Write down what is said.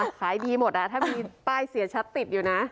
ขายดีหมดถ้ามีป้ายเสียชัดติดอยู่นะ